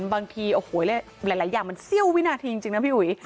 บางทีโอ้โหหลายอย่างมันเสี้ยววินาทีจริงนะพี่อุ๋ย